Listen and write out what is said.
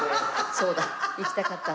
そうだ行きたかったんだ。